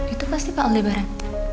itu pasti pak aldebaran